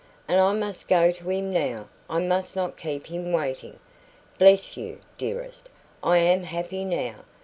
And I must go to him now I must not keep him waiting. Bless you, dearest! I am happy now.